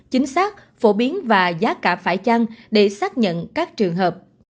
chính xác phổ biến và giá cả phải chăng để xác nhận các trường hợp